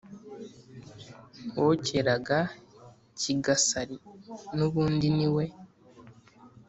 wokeraga kigasari, n'ubundi niwe